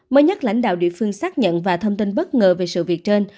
mới nhất lãnh đạo địa phương xác nhận và thông tin bất ngờ về sự việc trên